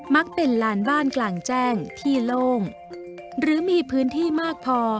ักเป็นลานบ้านกลางแจ้งที่โล่งหรือมีพื้นที่มากพอ